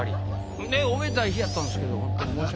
おめでたい日やったんですけど。